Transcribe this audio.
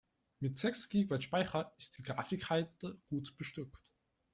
Mit sechs Gigabyte Speicher ist die Grafikkarte gut bestückt.